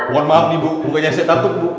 mohon maaf bu bukannya saya takut